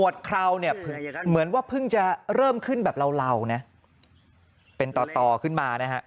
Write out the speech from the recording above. ต่อขึ้นมานะครับ